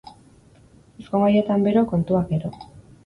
Ezkongaietan bero, kontuak gero.